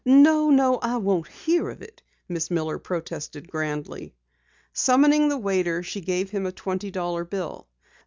"No, no, I won't hear of it," Miss Miller protested grandly. Summoning the waiter, she gave him a twenty dollar bill.